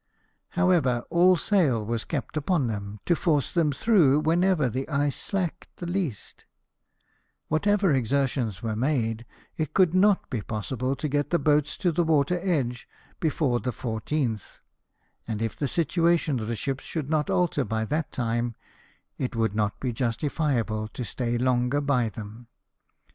However, all sail was kept upon them, to force them through whenever the ice slacked the least Whatever exer tions were made it could not be possible to get the boats to the water edge before the 14th ; and if the situation of the ships should not alter by that time, it would not be justifiable to stay longer by them.